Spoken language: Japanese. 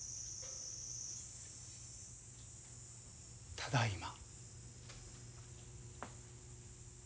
ただいま。